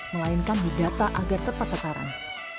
melainkan didata agar terpaksa sarang